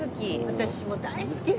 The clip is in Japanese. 私も大好き。